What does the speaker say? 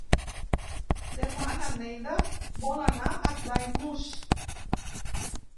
Demà na Neida vol anar a Daimús.